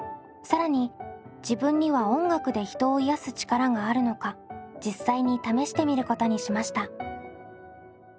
更に自分には音楽で人を癒す力があるのか実際に試してみることにしました。